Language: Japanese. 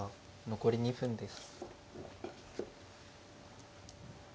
残り２分です。